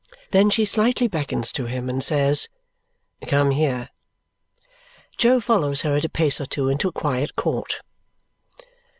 Then she slightly beckons to him and says, "Come here!" Jo follows her a pace or two into a quiet court.